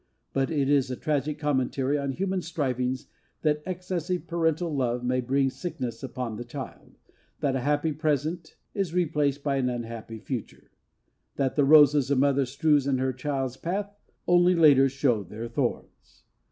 But it is a tragic commentary on human strivings that excessive parental love may bring sickness upon the child, that a happy present is replaced by an unhappy future, that the roses a mother strews in her child's path only later show their thorns.